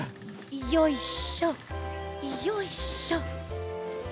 よいしょよいしょ。